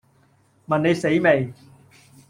問你死未